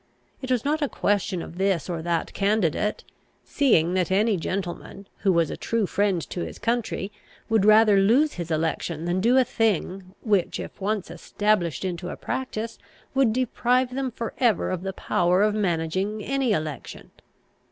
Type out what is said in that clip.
It was not a question of this or that candidate, seeing that any gentleman, who was a true friend to his country, would rather lose his election than do a thing which, if once established into a practice, would deprive them for ever of the power of managing any election.